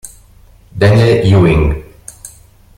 Daniel Ewing